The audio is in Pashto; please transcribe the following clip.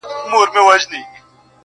پرون مي دومره درته وژړله_